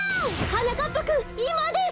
はなかっぱくんいまです！